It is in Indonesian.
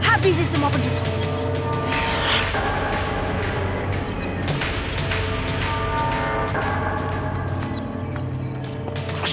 habisi semua pendudukmu